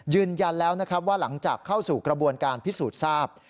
ยืนยันแล้วนะครับว่าหลังจากเข้าสู่กระบวนการพิสูจน์ทราบ